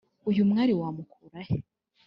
uyu mwali wamukurahe